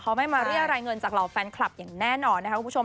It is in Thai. เขาไม่มาเรียรายเงินจากเหล่าแฟนคลับอย่างแน่นอนนะคะคุณผู้ชม